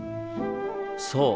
そう！